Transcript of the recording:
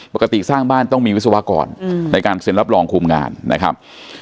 ปกติสร้างบ้านต้องมีวิศวกรในการเซ็นรับรองคุมงานนะครับ